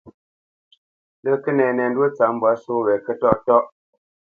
Lə́ Kənɛnɛndwó tsâp mbwǎ só wě Kətɔ́ʼtɔ́ʼ.